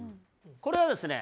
これはですね